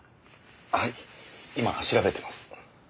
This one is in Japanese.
はい今調べてます。